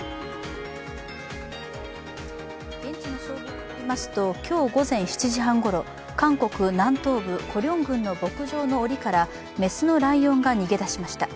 現地の消防によりますと、今日午前７時半ごろ韓国南東部コリョン郡の牧場のおりから雌のライオンが逃げ出しました。